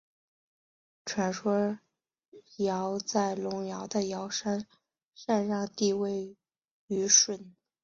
传说尧在隆尧的尧山禅让帝位予舜。